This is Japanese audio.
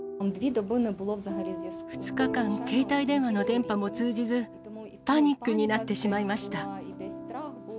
２日間、携帯電話の電波も通じず、パニックになってしまいました。